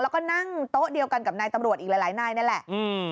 แล้วก็นั่งโต๊ะเดียวกันกับนายตำรวจอีกหลายหลายนายนี่แหละอืม